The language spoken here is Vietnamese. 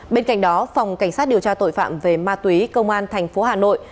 bên cạnh đó phòng cảnh sát điều tra tội phạm về ma túy công an tp hà nội